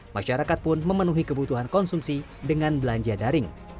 masyarakat pun memenuhi kebutuhan konsumsi dengan belanja daring